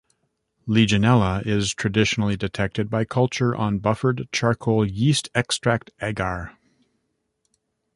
"Legionella" is traditionally detected by culture on buffered charcoal yeast extract agar.